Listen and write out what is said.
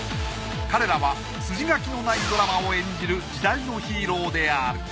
彼らは筋書きのないドラマを演じる時代のヒーローである。